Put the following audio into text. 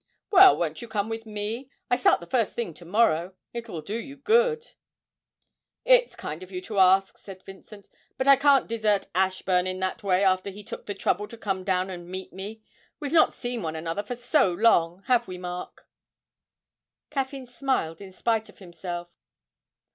'Well, won't you come with me? I start the first thing to morrow it will do you good.' 'It's kind of you to ask,' said Vincent, 'but I can't desert Ashburn in that way after he took the trouble to come down and meet me; we've not seen one another for so long, have we, Mark?' Caffyn smiled in spite of himself.